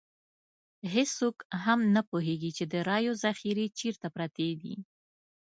هېڅوک هم نه پوهېږي چې د رایو ذخیرې چېرته پرتې دي.